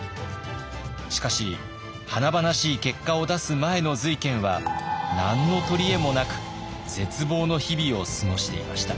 しかし華々しい結果を出す前の瑞賢は何の取り柄もなく絶望の日々を過ごしていました。